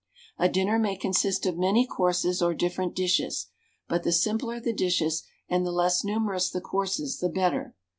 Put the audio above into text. A dinner may consist of many courses or different dishes, but the simpler the dishes and the less numerous the courses the better.